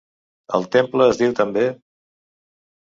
El temple es diu també: